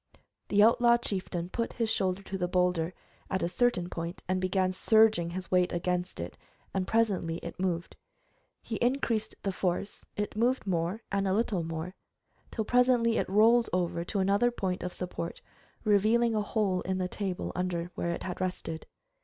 The outlaw chieftain put his shoulder to the boulder, at a certain point, and began surging his weight against it, and presently it moved. He increased the force, it moved more and a little more, till presently it rolled over to another point of support, revealing a hole in the table under where it had rested.